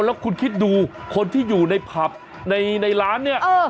แล้วคุณคิดดูคนที่อยู่ในผับในร้านเนี่ย